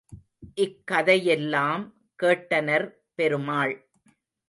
இக்கதை யெல்லாம் கேட்டனர் பெருமாள்.